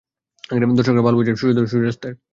দর্শকরা বাল বুঝে, সূর্যদয় ও সূর্যাস্তের?